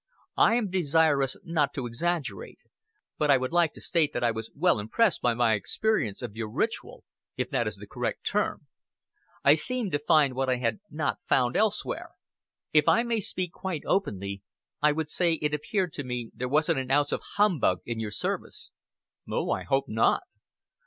"I am desirous not to exaggerate; but I would like to state that I was well impressed by my experience of your ritual if that is the correct term. I seemed to find what I had not found elsewhere. If I may speak quite openly, I would say it appeared to me there wasn't an ounce of humbug in your service." "Oh, I hope not."